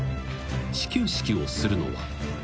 ［始球式をするのは］